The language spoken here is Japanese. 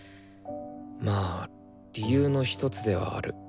まあ理由の一つではあるかな。